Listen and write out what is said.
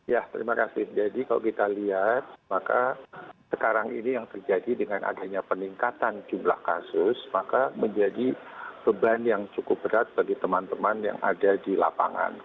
ya terima kasih jadi kalau kita lihat maka sekarang ini yang terjadi dengan adanya peningkatan jumlah kasus maka menjadi beban yang cukup berat bagi teman teman yang ada di lapangan